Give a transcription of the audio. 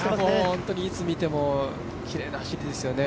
本当にいつ見てもきれいな走りですよね。